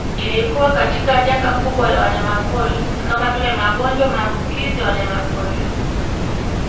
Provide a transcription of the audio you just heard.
Ilikuwa katika janga kubwa la wanyamapori kama vile magonjwa maambukizo ya wanyamapori